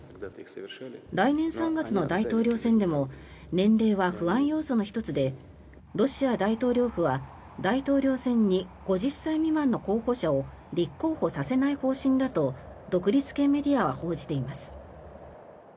来年３月の大統領選でも年齢は不安要素の１つでロシア大統領府は大統領選に５０歳未満の候補者を立候補させない方針だと独立系メディアは報じています。